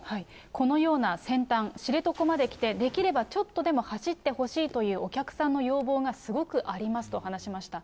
このような先端、知床まで来て、できればちょっとでも走ってほしいという、お客さんの要望がすごくありますと話しました。